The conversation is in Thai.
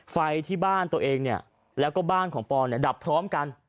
ไฟที่บ้านตัวเองเนี่ยแล้วก็บ้านของปอนเนี่ยดับพร้อมกัน